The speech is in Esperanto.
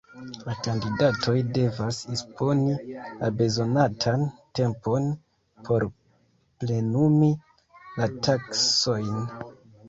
La kandidatoj devas disponi la bezonatan tempon por plenumi la taskojn.